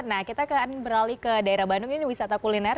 nah kita akan beralih ke daerah bandung ini wisata kuliner